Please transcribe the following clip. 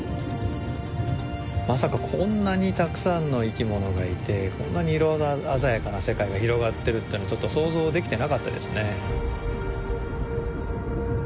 まさかこんなにたくさんの生き物がいてこんなに色鮮やかな世界が広がってるっていうのはちょっと想像できてなかったですね。